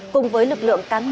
cùng với lực lượng cán bộ